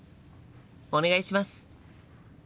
お願いします！